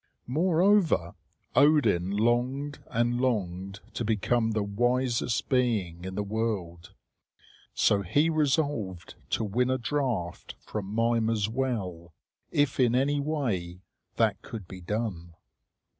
Moreover, Odin longed and longed to become the wisest being in the world. So he resolved to win a draught from Mimer's well, if in any way that could be done.